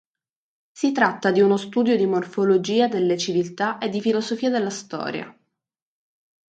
Si tratta di uno studio di morfologia delle civiltà e di filosofia della storia.